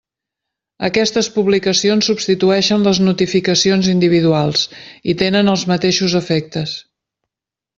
Aquestes publicacions substitueixen les notificacions individuals i tenen els mateixos efectes.